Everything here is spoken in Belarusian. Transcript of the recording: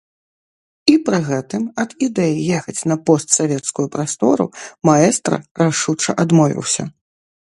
І пры гэтым ад ідэі ехаць на постсавецкую прастору маэстра рашуча адмовіўся.